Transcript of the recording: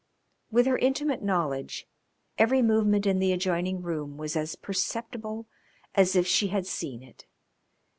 With her intimate knowledge every movement in the adjoining room was as perceptible as if she had seen it.